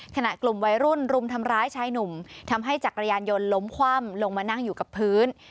ขณะกลุ่มวัยรุ่นรุมทำร้ายชายหนุ่มทำให้จักรยานยนต์ล้มคว่ำลงมานั่งอยู่กับพื้น